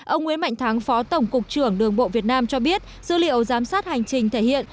ông nguyễn mạnh thắng phó tổng cục trưởng đường bộ việt nam cho biết dữ liệu giám sát hành trình thể hiện